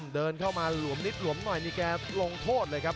เดินเข้ามาหลวมนิดหลวมหน่อยนี่แกลงโทษเลยครับ